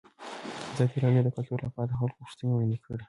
ازادي راډیو د کلتور لپاره د خلکو غوښتنې وړاندې کړي.